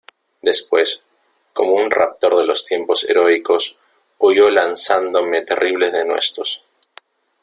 después, como un raptor de los tiempos heroicos , huyó lanzándome terribles denuestos.